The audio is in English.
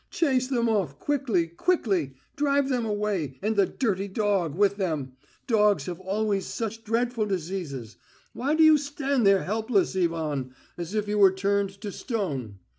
Chase them off, quickly, quickly. Drive them away, and the dirty dog with them. Dogs have always such dreadful diseases. Why do you stand there helplessly, Ivan, as if you were turned to stone?